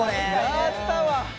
やったわ。